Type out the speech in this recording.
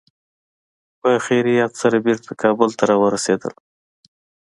په خیریت سره بېرته کابل ته را ورسېدل.